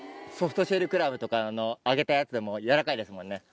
ソフトシェルクラブとかの揚げたやつでもやわらかいですもんね。